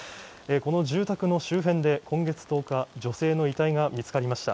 住宅の周辺で今月１０日、女性の遺体が見つかりました。